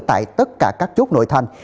tại tất cả các chốt nội thành